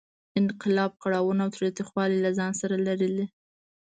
انقلاب کړاوونه او تاوتریخوالی له ځان سره لرلې.